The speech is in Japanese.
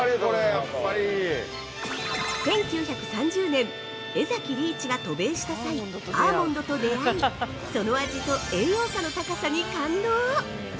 ◆１９３０年江崎利一が渡米した際アーモンドと出会いその味と栄養価の高さに感動。